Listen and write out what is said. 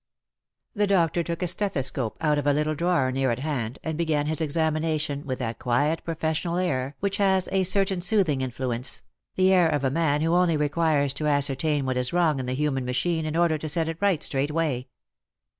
The doctor took a stethoscope out of a little drawer near at hand, and began his examination with that quiet professional lir which has a certain soothing influence, the air of a man who Knly requires to ascertain what is wrong in the human machine /n order to set it right straightway.